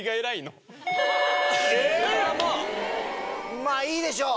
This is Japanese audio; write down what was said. まぁいいでしょう。